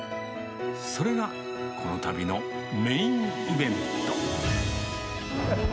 それがこの旅のメインイベント。